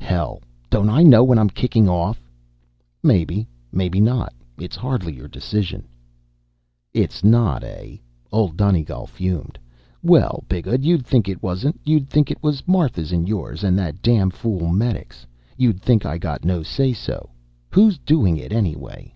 "Hell, don't I know when I'm kicking off?" "Maybe, maybe not. It's hardly your decision." "It's not, eh?" Old Donegal fumed. "Well, bigawd you'd think it wasn't. You'd think it was Martha's and yours and that damfool medic's. You'd think I got no say so. Who's doing it anyway?"